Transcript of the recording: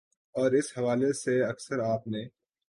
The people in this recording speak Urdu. اور اس حوالے سے اکثر آپ نے